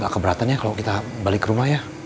gak keberatan ya kalau kita balik rumah ya